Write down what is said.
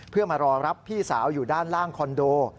เพื่อมารอรับพี่สาวอยู่ด้านล่างคอนโด